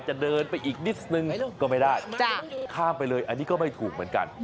จะเดินไปอีกนิดนึงก็ไม่ได้ข้ามไปเลยอันนี้ก็ไม่ถูกเหมือนกัน